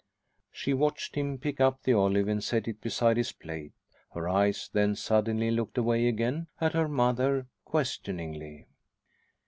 She watched him pick the olive up and set it beside his plate. Her eyes then suddenly looked away again at her mother questioningly.